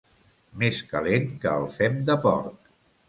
Més calent que el fem de porc.